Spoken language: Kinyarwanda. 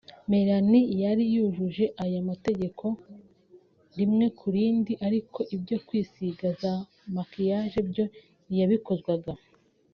Melanie yari yujuje aya mategeko rimwe ku rindi ariko ibyo kwisiga za makiyaje byo ntiyabikozwaga